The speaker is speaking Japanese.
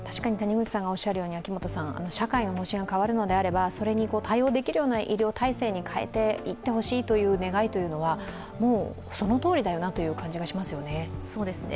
社会の方針が変わるのであれば、それに対応できるような医療体制に変えていってほしいという願いというのはもうそのとおりだよなという感じがしますよね。